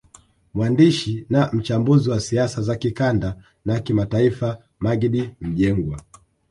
Mwandishi na mchambuzi wa siasa za kikanda na kimataifa Maggid Mjengwa